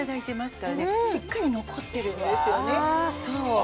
そう。